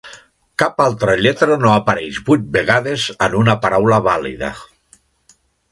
Cap altra lletra no apareix vuit vegades en una paraula vàlida.